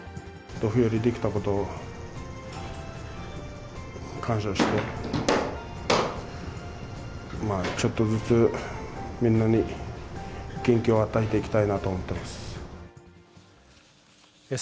土俵入りできたことに感謝して、ちょっとずつみんなに元気を与えていきたいなと思っています。